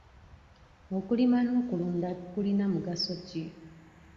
Okulima n'okulunda kulina mugaso ki?